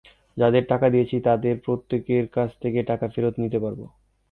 যাঁদের টাকা দিয়েছি, তাঁদের প্রত্যেকের কাছ থেকে টাকা ফেরত নিতে পারব।